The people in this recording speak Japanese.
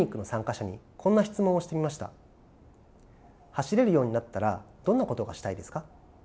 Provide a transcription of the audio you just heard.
「走れるようになったらどんなことがしたいですか？」。